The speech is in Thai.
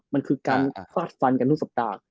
มันคือการฟาดฟันกันทุกสัปดาห์